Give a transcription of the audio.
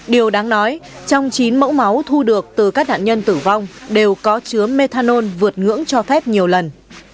điều đáng nói trong chín mẫu máu thu được từ các nạn nhân tử vong đều có chứa methanol vượt ngưỡng cho phép nhiều lần